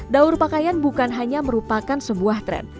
daur pakaian bukan hanya merupakan sebuah tren